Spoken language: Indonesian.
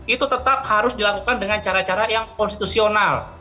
itu tetap harus dilakukan dengan cara cara yang konstitusional